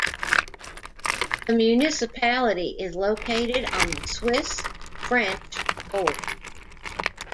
The municipality is located on the Swiss-French border.